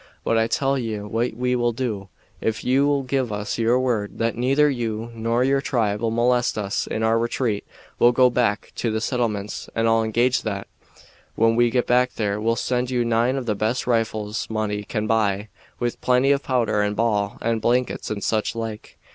But I tell ye what we will do; ef you'll give us your word that neither you nor your tribe'll molest us in our retreat we'll go back to the settlements, and 'll engage that, when we get back there, we'll send you nine of the best rifles money can buy, with plenty of powder and ball, and blankets and such like."